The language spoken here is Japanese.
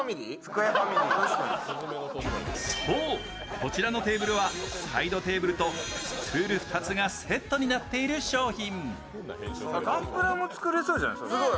こちらのテーブルはサイドテーブルとスツール２つがセットになっている商品。